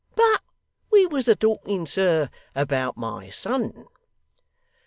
But we was a talking, sir, about my son.